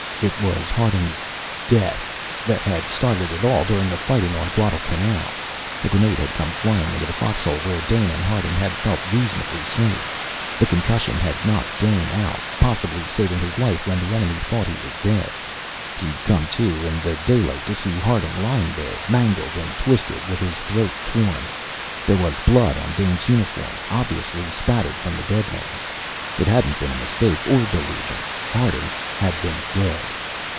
It was Harding's "death" that had started it all during the fighting on Guadalcanal. A grenade had come flying into the foxhole where Dane and Harding had felt reasonably safe. The concussion had knocked Dane out, possibly saving his life when the enemy thought he was dead. He'd come to in the daylight to see Harding lying there, mangled and twisted, with his throat torn. There was blood on Dane's uniform, obviously spattered from the dead man. It hadn't been a mistake or delusion; Harding had been dead.